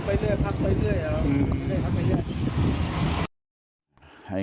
ไม่ได้พักไปเรื่อย